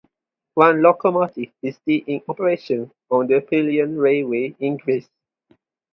One locomotive is still in operation on the Pelion railway in Greece.